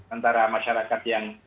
antara masyarakat yang